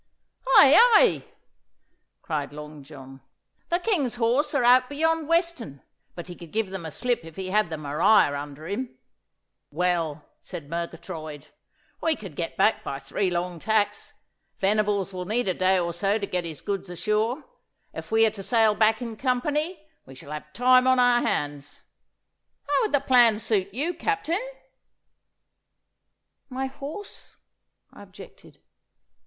'Aye, aye,' cried Long John. 'The King's horse are out beyond Weston, but he could give them the slip if he had the Maria under him.' 'Well,' said Murgatroyd, 'we could get back by three long tacks. Venables will need a day or so to get his goods ashore. If we are to sail back in company we shall have time on our hands. How would the plan suit you, Captain?' 'My horse!' I objected.